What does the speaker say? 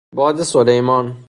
باد سلیمان